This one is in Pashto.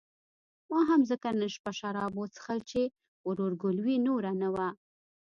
ما هم ځکه نن شپه شراب وڅښل چې ورورګلوي نوره نه وه.